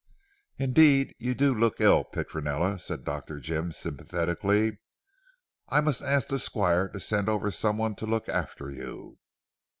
"Indeed you do look ill Petronella," said Dr. Jim sympathetically. "I must ask the Squire to send over someone to look after you."